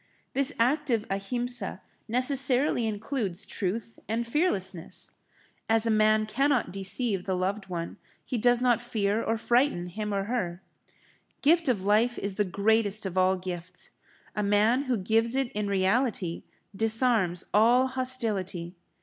This active Ahimsa necessarily includes truth and fearlessness. As man cannot deceive the loved one, he does not fear or frighten him or her. Gift of life is the greatest of all gifts; a man who gives it in reality, disarms all hostility.